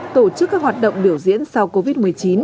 tổ chức các hoạt động biểu diễn sau covid một mươi chín